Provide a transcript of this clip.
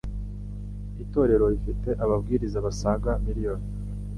Itorero rifite ababwiriza basaga miriyoni